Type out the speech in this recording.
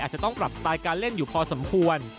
จะต้องปรับสไตล์การเล่นอยู่พอสมควร